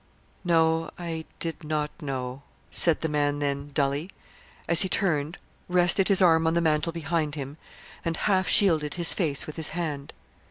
"No, I did not know," said the man then, dully, as he turned, rested his arm on the mantel behind him, and half shielded his face with his hand.